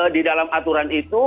di dalam aturan itu